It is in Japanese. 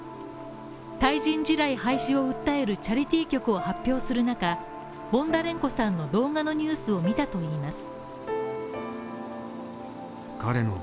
対人地雷廃止を訴える、チャリティー曲を発表する中ボンダレンコさんの動画のニュースを見たといいます。